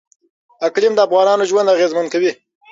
اقلیم د افغانانو ژوند اغېزمن کوي.